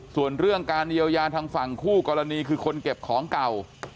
ส่วนเรื่องการเยียวยาทางฝั่งคู่กรณีคือคนเก็บของเก่า